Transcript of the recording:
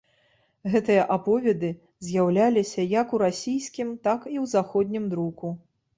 Гэтыя аповеды з'яўляліся як у расійскім, так і ў заходнім друку.